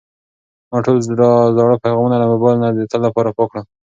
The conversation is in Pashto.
ما خپل ټول زاړه پیغامونه له موبایل نه د تل لپاره پاک کړل.